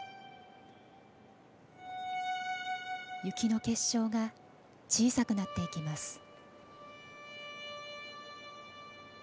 雪の結晶が小さくなっていきます。